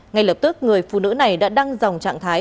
ngay lập tức người phụ nữ này đã đăng dòng trạng thái